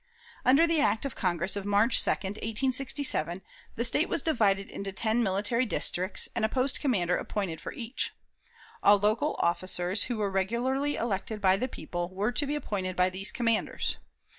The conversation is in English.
Under the act of Congress of March 2, 1867, the State was divided into ten military districts, and a post commander appointed for each. All local officers, who were regularly elected by the people, were to be appointed by these commanders.